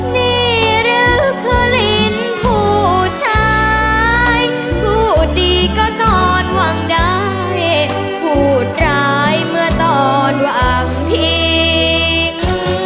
นี่หรือคือลินผู้ชายพูดดีก็ตอนหวังได้พูดร้ายเมื่อตอนวางทิ้ง